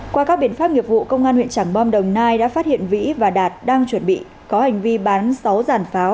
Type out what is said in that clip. qua các biện pháp nghiệp vụ công an huyện trảng bom đồng nai đã phát hiện vĩ và đạt đang chuẩn bị có hành vi bán sáu giàn pháo